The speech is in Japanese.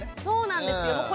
そうなんですよ。